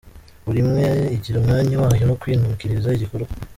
Buri imwe igira umwanya wayo wo kwinukiriza igikororwa.